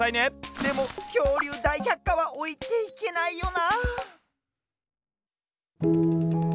でも「きょうりゅうだいひゃっか」はおいていけないよな。